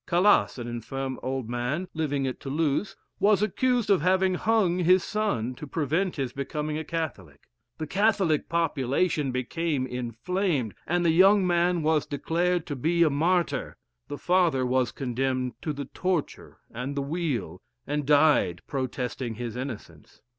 Calas, an infirm old man, living at Toulouse, was accused of having hung his son, to prevent his becoming a Catholic. The Catholic population became inflamed, and the young man was declared to be a martyr. The father was condemned to the torture and the wheel, and died protesting his innocence.